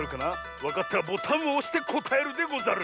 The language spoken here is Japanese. わかったらボタンをおしてこたえるでござる。